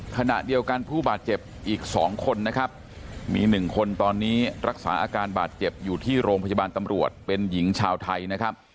ขณะเดียวกันผู้บาดเจ็บอีก๒คนนะครับมี๑คนตอนนี้รักษาอาการบาดเจ็บอยู่ที่โรงพยาบาลตำรวจเป็นหญิงชาวไทยนะครับ